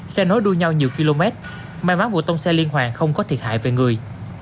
xe nối đuôi nhau nhiều km may mắn vụ tông xe liên hoàn không có thiệt hại về người